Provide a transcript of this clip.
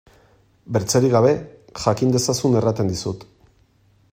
Besterik gabe, jakin dezazun esaten dizut.